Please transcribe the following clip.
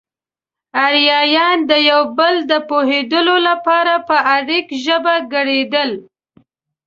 اريايان د يو بل د پوهولو لپاره په اريک ژبه ګړېدل.